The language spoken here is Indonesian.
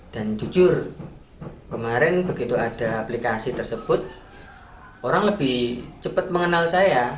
dan jujur kemarin begitu ada aplikasi tersebut orang lebih cepat mengenal saya